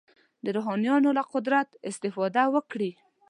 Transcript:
د روحانیونو له قدرت استفاده وکړي.